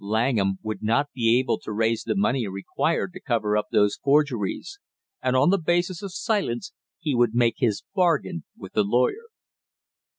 Langham would not be able to raise the money required to cover up those forgeries, and on the basis of silence he would make his bargain with the lawyer.